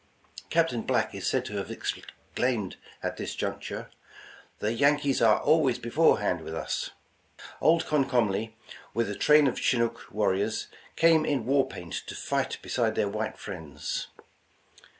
Cap tain Black is said to have exclaimed at this juncture : "The Yankees are always beforehand with us." Old Comcomly, with a train of Chinook warriors, came in war paint to fight beside their white friends.